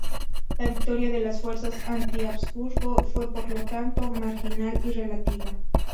La victoria de las fuerzas anti-Habsburgo fue, por lo tanto, marginal y relativa.